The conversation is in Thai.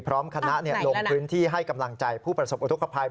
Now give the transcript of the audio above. พร้อมคณะลงพื้นที่ให้กำลังใจผู้ประสบอุทธกภัย